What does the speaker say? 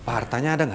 artanya ada gak